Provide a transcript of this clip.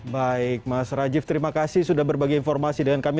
baik mas rajif terima kasih sudah berbagi informasi dengan kami